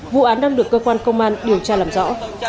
vụ án đang được cơ quan công an điều tra làm rõ